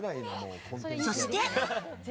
そして。